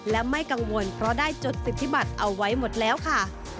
และไม่กังวลเพราะได้จดสิทธิบัตรเอาไว้หมดแล้วค่ะ